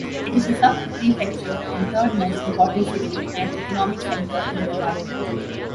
It is a sub-prefecture and third-most important city and economic center in the department.